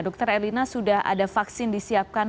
dr elina sudah ada vaksin disiapkan